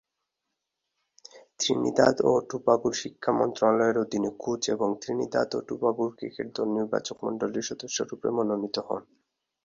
Trinidad ও টোবাগোর শিক্ষা মন্ত্রণালয়ের অধীনে কোচ এবং ত্রিনিদাদ ও টোবাগোর ক্রিকেট দল নির্বাচকমণ্ডলীর সদস্যরূপে মনোনীত হন।